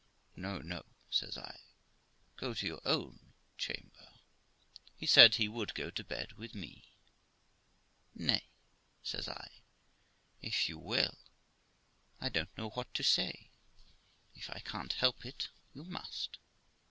'No, no', says I; 'go to your own chamber.' He said he would go to bed with me. 'Nay', says I, 'if you will, I don't know what to say; if I can't help it, you must.'